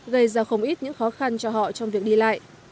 gây ra không ít những khó khăn cho họ trong việc đi lại